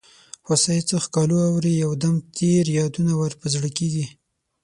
هوسۍ څه ښکالو اوري یو دم تېر یادونه ور په زړه کیږي.